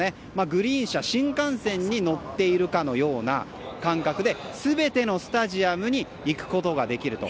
グリーン車、新幹線に乗っているかのような感覚で全てのスタジアムに行くことができると。